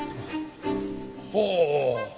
ほう。